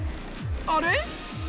あれ？